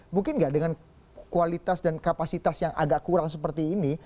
mungkin nggak dengan kualitas dan kapasitas yang agak kurang seperti ini